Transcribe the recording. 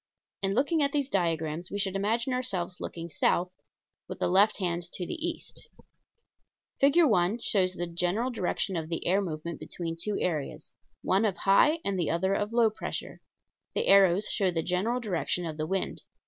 In looking at these diagrams we should imagine ourselves looking South, with the left hand to the East. [Illustration: FIG. 1.] Fig. 1 shows the general direction of the air movement between two areas one of high and the other of low pressure. The arrows show the general direction of the wind.